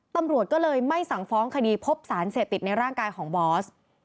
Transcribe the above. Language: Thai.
ตำรวจก็เลยไม่สั่งฟ้องคดีพบสารเสพติดในร่างกายของบอส